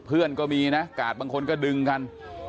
เพื่อนก็มีนะกาดบางคนก็ดึงกัน